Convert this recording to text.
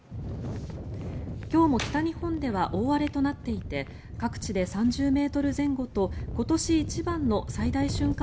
今日も北日本では大荒れとなっていて各地で３０ｍ前後と今年一番の最大瞬間